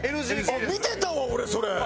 見てたわ俺それ！